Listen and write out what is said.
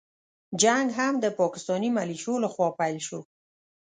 جنګ هم د پاکستاني مليشو له خوا پيل شو.